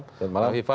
selamat malam viva